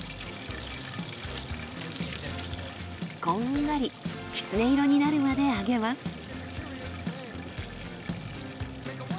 こんがりきつね色になるまで揚げます。